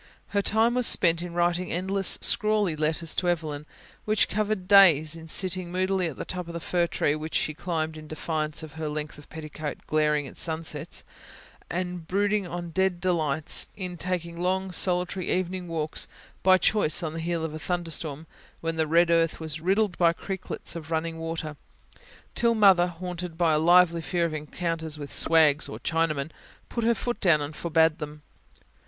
Her time was spent in writing endless, scrawly letters to Evelyn, which covered days; in sitting moodily at the top of the fir tree which she climbed in defiance of her length of petticoat glaring at sunsets, and brooding on dead delights; in taking long, solitary, evening walks, by choice on the heel of a thunderstorm, when the red earth was riddled by creeklets of running water; till Mother, haunted by a lively fear of encounters with "swags" or Chinamen, put her foot down and forbade them.